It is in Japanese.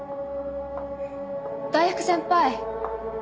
大福先輩。